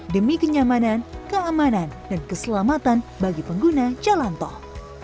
demi kenyamanan keamanan dan keselamatan bagi pengguna jalan tol